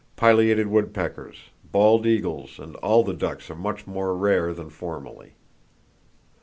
Pileated woodpeckers, bald eagles and all the ducks are much more rare than formerly.